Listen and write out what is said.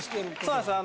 そうです